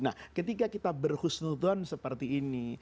nah ketika kita berhusnudwan seperti ini